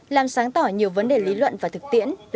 làm sáng tỏ nhiều vấn đề lý luận và thực tiễn